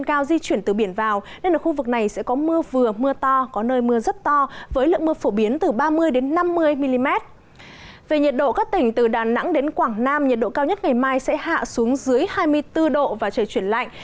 các tỉnh từ đà nẵng đến quảng nam nhiệt độ cao nhất ngày mai sẽ hạ xuống dưới hai mươi bốn độ và trời chuyển lạnh